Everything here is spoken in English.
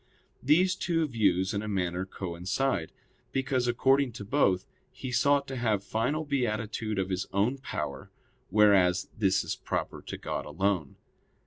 These two views in a manner coincide; because according to both, he sought to have final beatitude of his own power, whereas this is proper to God alone.